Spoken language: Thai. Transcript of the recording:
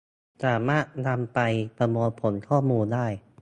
สามารถนำไปประมวลผลข้อมูลได้